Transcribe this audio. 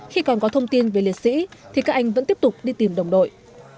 khi còn có thông tin về liệt sĩ thì các anh vẫn tiếp tục đi tìm đồng đội